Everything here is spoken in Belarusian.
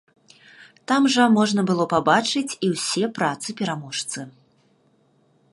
Там жа можна было пабачыць і ўсе працы-пераможцы.